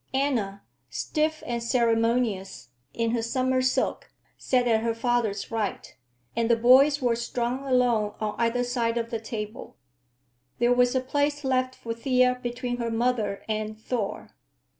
Anna, stiff and ceremonious, in her summer silk, sat at her father's right, and the boys were strung along on either side of the table. There was a place left for Thea between her mother and Thor.